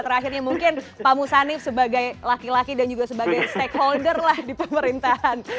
terakhirnya mungkin pak musanif sebagai laki laki dan juga sebagai stakeholder lah di pemerintahan